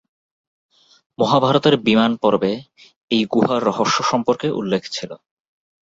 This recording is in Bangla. মহাভারতের "বিমান পর্বে" এই গুহার রহস্য সম্পর্কে উল্লেখ ছিল।